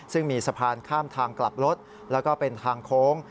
ซึ่งมีสะพานข้ามทางกลับรถแล้วก็เป็นทางโค้ง